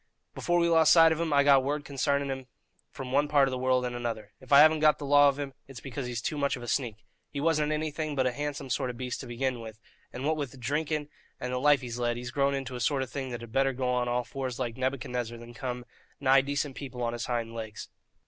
Before we lost sight of him, I got word concarning him from one part of the world and another. If I haven't got the law of him, it's because he's too much of a sneak. He wasn't anything but a handsome sort of beast to begin with; and, what with drinking and the life he's led, he's grown into a sort of thing that had better go on all fours like Nebuchadnezzar than come nigh decent people on his hind legs.